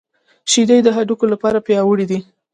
شیدې د هډوکو لپاره پياوړې دي